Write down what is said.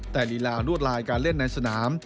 แต่ลีลารวดลายการเล่นในสนาม